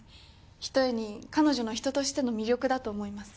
ひとえに彼女の人としての魅力だと思います。